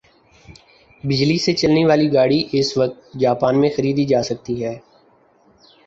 بجلی سے چلنے والی گاڑی اس وقت جاپان میں خریدی جاسکتی ھے